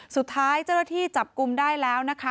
สุดท้ายเจ้าหน้าที่จับกลุ่มได้แล้วนะคะ